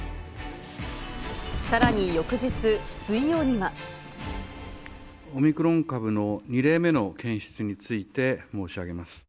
さらに翌日水曜には。オミクロン株の２例目の検出について申し上げます。